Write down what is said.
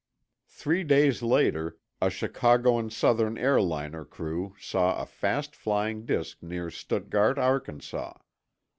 Three days later, a Chicago and Southern airliner crew saw a fast flying disk near Stuttgart, Arkansas.